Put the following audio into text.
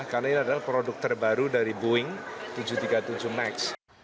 karena ini adalah produk terbaru dari boeing tujuh ratus tiga puluh tujuh max